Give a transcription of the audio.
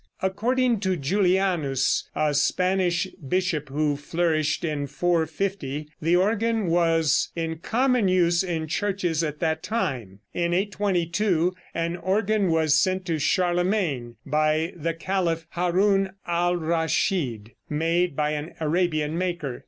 According to Julianus, a Spanish bishop who flourished in 450, the organ was in common use in churches at that time. In 822 an organ was sent to Charlemagne by the Caliph Haroun Alraschid, made by an Arabian maker.